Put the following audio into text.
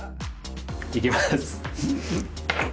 いきます。